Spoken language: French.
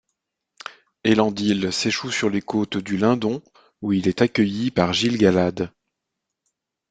Elendil s'échoue sur les côtes du Lindon, où il est accueilli par Gil-galad.